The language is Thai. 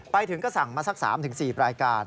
ไปถึงก็สั่งมาสัก๓๔รายการ